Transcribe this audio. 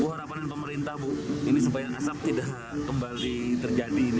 harapan dari pemerintah bu ini supaya asap tidak kembali terjadi ini